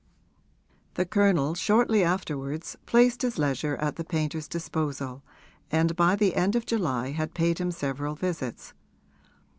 The Colonel shortly afterwards placed his leisure at the painter's disposal and by the end of July had paid him several visits.